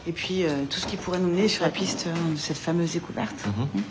うん。